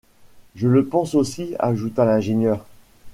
Je le pense aussi, ajouta l’ingénieur.